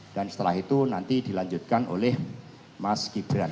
dan setelah itu nanti dilanjutkan oleh mas gibran